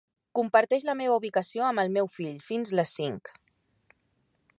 Comparteix la meva ubicació amb el meu fill fins les cinc.